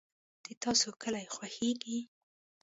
د تاسو کلي خوښیږي؟